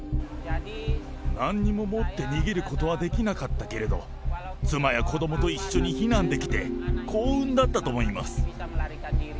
なんにも持って逃げることはできなかったけれど、妻や子どもと一緒に避難できて、幸運だったと思います。